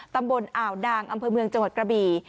ตำบลอ่าวนางอำเภอเมืองจังหวัดกระบี่